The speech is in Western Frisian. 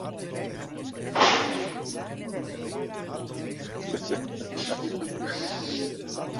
Gean nei de ein fan dokumint.